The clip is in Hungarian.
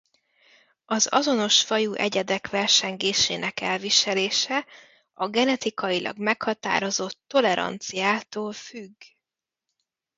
Az azonos fajú egyedek versengésének elviselése a genetikailag meghatározott toleranciától függ.